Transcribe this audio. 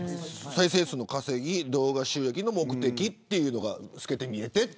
再生数の稼ぎ、動画収益の目的というのが透けて見える。